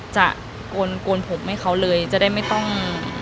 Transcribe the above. โกนผมให้เขาเลยจะได้ไม่ต้อง